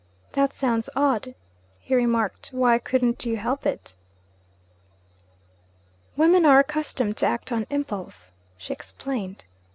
'That sounds odd,' he remarked. 'Why couldn't you help it?' 'Women are accustomed to act on impulse,' she explained.